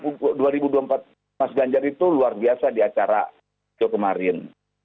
nah dua ribu dua puluh empat mas ganjar itu luar biasa di acara jokowmarin